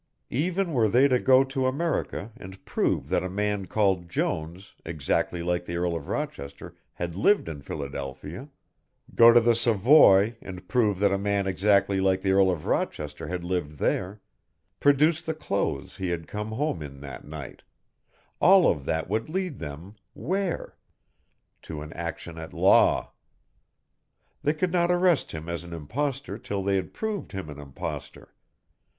Even were they to go to America and prove that a man called Jones exactly like the Earl of Rochester had lived in Philadelphia, go to the Savoy and prove that a man exactly like the Earl of Rochester had lived there, produce the clothes he had come home in that night all of that would lead them, where to an action at law. They could not arrest him as an impostor till they had proved him an impostor.